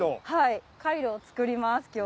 はいカイロを作ります